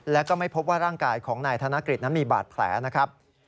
แล้วก็ไม่พบว่าร่างกายของนายธนกฤษนั้นมีบาดแผลนะครับ